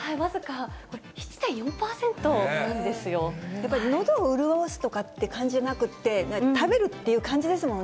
やっぱり、のどを潤すとかって感じなくって、食べるっていう感じですもんね。